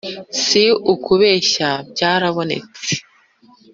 Si ukubeshya byarabonetse